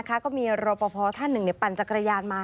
ก็มีรอปภท่านหนึ่งปั่นจักรยานมา